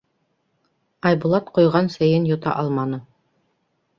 Айбулат ҡойған сәйен йота алманы.